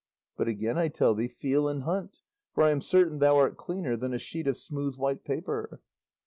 But again I tell thee, feel and hunt, for I am certain thou art cleaner than a sheet of smooth white paper."